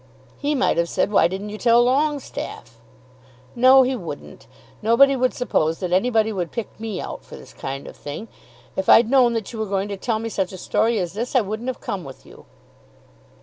"He might have said, why didn't you tell Longestaffe?" "No, he wouldn't. Nobody would suppose that anybody would pick me out for this kind of thing. If I'd known that you were going to tell me such a story as this I wouldn't have come with you."